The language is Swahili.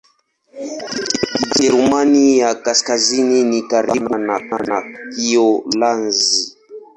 Kijerumani ya Kaskazini ni karibu sana na Kiholanzi.